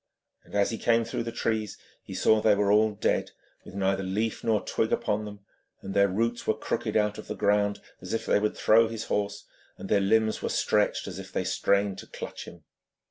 As he came through the trees he saw they were all dead, with neither leaf nor twig upon them, their roots were crooked out of the ground as if they would throw his horse, and their limbs were stretched as if they strained to clutch him.